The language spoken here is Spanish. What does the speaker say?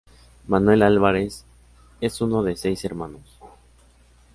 Manuel Álvarez es uno de seis hermanos.